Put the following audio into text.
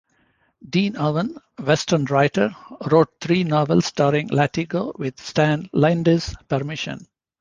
Dean Owen, Western writer, wrote three novels starring Latigo with Stan Lynde's permission.